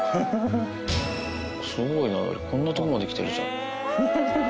すごいな、のり、こんな所まで来てるじゃん。